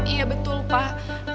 iya betul pak